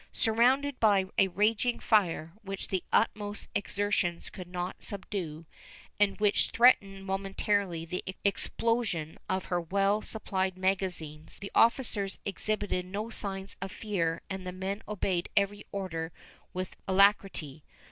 Surrounded by a raging fire, which the utmost exertions could not subdue, and which threatened momentarily the explosion of her well supplied magazines, the officers exhibited no signs of fear and the men obeyed every order with alacrity.